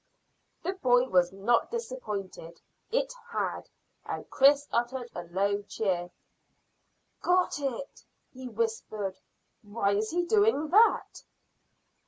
The boy was not disappointed it had, and Chris uttered a low cheer. "Got it!" he whispered. "Why is he doing that?"